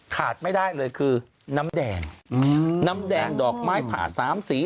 ขาดไม่ได้เลยคือน้ำแดงน้ำแดงดอกไม้ผ่าสามสี